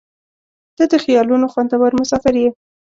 • ته د خیالونو خوندور مسافر یې.